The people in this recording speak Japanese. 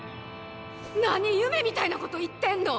何夢みたいなこと言ってんの！